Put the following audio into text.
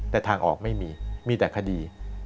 แต่ทางออกไม่มีมีแต่คดี